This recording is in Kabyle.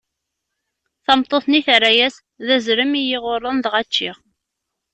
Tameṭṭut-nni terra-as: D azrem i yi-iɣurren, dɣa ččiɣ.